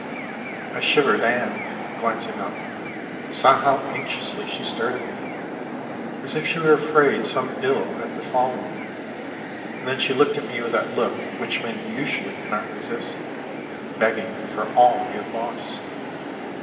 I shivered and, glancing up, saw how anxiously she stared at me, as if she were afraid some ill had befallen me, and then she looked at me with that look which men usually cannot resist, begging for all we had lost.